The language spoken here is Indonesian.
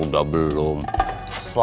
mak mau dong